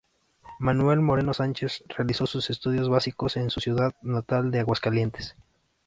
Manuel Moreno Sánchez realizó sus estudios básicos en su ciudad natal de Aguascalientes.